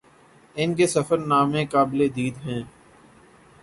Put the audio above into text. ان کے سفر نامے قابل دید ہیں